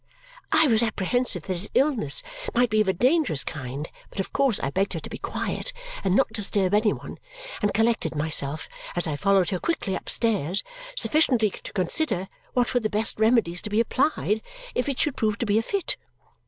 I was apprehensive that his illness might be of a dangerous kind, but of course I begged her to be quiet and not disturb any one and collected myself, as I followed her quickly upstairs, sufficiently to consider what were the best remedies to be applied if it should prove to be a fit.